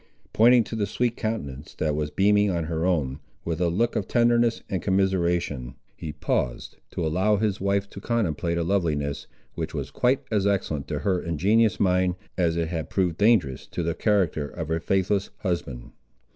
Pointing to the sweet countenance that was beaming on her own, with a look of tenderness and commiseration, he paused, to allow his wife to contemplate a loveliness, which was quite as excellent to her ingenuous mind as it had proved dangerous to the character of her faithless husband.